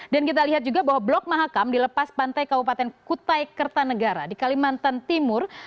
kita lihat juga bahwa blok mahakam dilepas pantai kabupaten kutai kertanegara di kalimantan timur